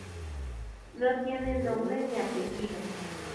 No tiene nombre ni apellido.